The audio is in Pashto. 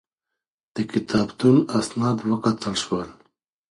د کتابتون اسناد وکتل شول.